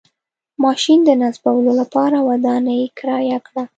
ماشین د نصبولو لپاره ودانۍ کرایه کړه.